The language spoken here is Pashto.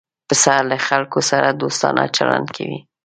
پسه له خلکو سره دوستانه چلند کوي.